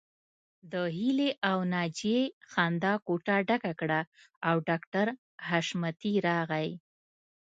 د هيلې او ناجيې خندا کوټه ډکه کړه او ډاکټر حشمتي راغی